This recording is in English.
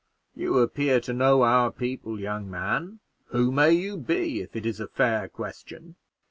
You appear to know our people, young man; who may you be, if it is a fair question?"